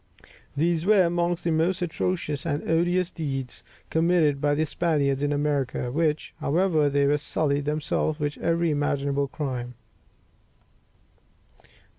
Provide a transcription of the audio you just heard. These were amongst the most atrocious and odious deeds committed by the Spaniards in America, where, however, they have sullied themselves with every imaginable crime.